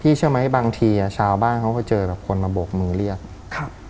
ใช่ไหมบางทีอ่ะชาวบ้านเขาก็เจอแบบคนมาโบกมือเรียกครับ